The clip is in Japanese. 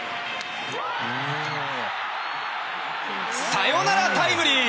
サヨナラタイムリー！